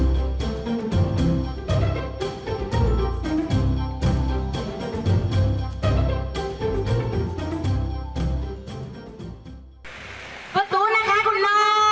เพื่อนรับทราบ